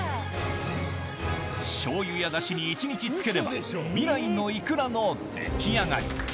しょうゆやだしに１日漬ければ、未来のいくらの出来上がり。